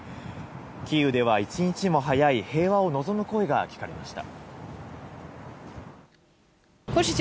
キーウでは一日も早い平和を望む声が聞かれました。